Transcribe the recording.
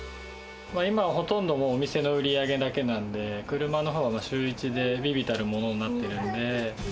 今はほとんどお店の売り上げだけなんで、車のほうは週１で微々たるものになってるんで。